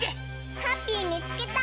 ハッピーみつけた！